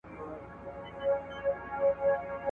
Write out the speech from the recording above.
ګل میستري ته د ماشوم په لاس مروړلی کاغذګی ورکوي.